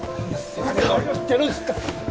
何をやってるんですか。